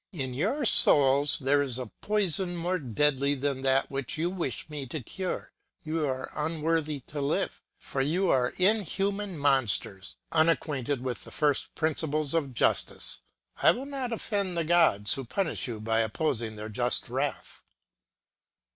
In your souls there is a poison more deadly than that which you wish me to cure ; you are unworthy to live, for you are inhuman monsters, unacquainted with the first principles of justice. I will not offend the gods who punish you by opposing their just wrath.